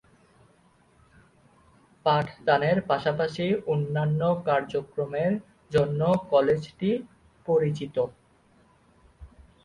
পাঠদানের পাশাপাশি অন্যান্য কার্যক্রমের জন্য কলেজটি পরিচিত।